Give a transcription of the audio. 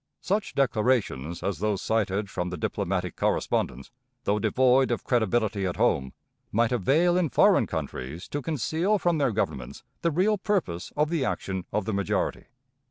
Such declarations as those cited from the diplomatic correspondence, though devoid of credibility at home, might avail in foreign countries to conceal from their governments the real purpose of the action of the majority.